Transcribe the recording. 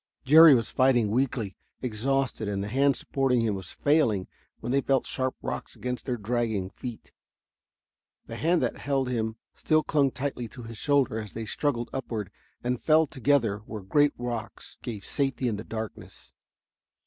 Jerry was fighting weakly, exhausted, and the hand supporting him was failing when they felt sharp rocks against their dragging feet. The hand that had held him still clung tightly to his shoulder as they struggled upward and fell together where great rocks gave safety in the darkness.